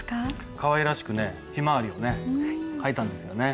かわいらしくひまわりを書いたんですよね。